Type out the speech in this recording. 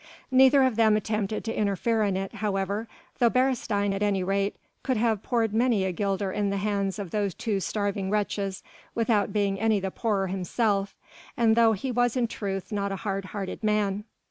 Neither of them attempted to interfere in it, however, though Beresteyn at any rate could have poured many a guilder in the hands of those two starving wretches, without being any the poorer himself and though he was in truth not a hard hearted man.